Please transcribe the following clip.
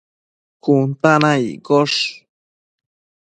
cun ta na iccosh